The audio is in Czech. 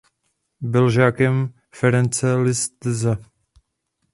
Byl žákem Ference Liszta.